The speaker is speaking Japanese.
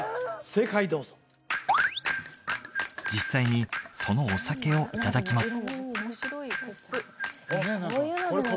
正解どうぞ実際にそのお酒をいただきます